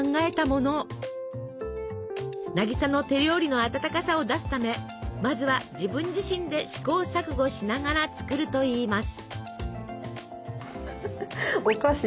渚の手料理の温かさを出すためまずは自分自身で試行錯誤しながら作るといいます。